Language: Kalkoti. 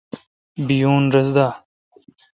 بییون رس دا۔